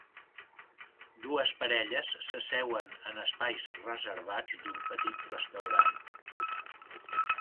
Dues parelles s'asseuen en espais reservats d'un petit restaurant.